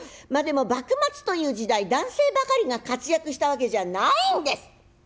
まあでも幕末という時代男性ばかりが活躍したわけじゃないんです。